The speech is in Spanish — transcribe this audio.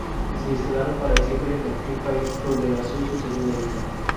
Se instalaron para siempre en aquel país, donde nació su segunda hija.